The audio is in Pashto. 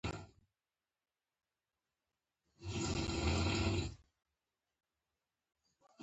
ځغاسته د ملګرو ترمنځ اړیکې ټینګوي